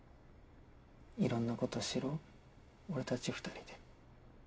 いろんなこと知ろう俺たち二人で。